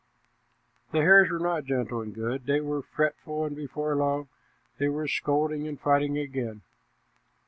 The hares were not gentle and good; they were fretful, and before long they were scolding and fighting again.